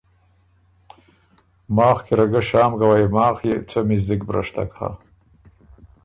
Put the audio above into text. ماخ کی ره ګۀ شام کوئ ماخ يې څۀ مِزدِک برشتک هۀ؟